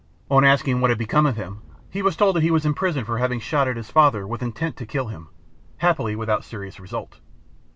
On asking what had become of him, he was told that he was in prison for having shot at his father with intent to kill him—happily without serious result.